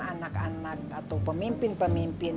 anak anak atau pemimpin pemimpin